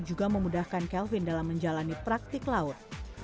juga memudahkan kelvin dalam menjalani praktik laut